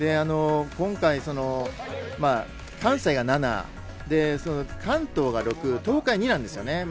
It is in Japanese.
今回、関西が７で関東が６、東海２なんですよね。